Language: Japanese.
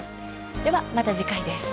では、また次回です。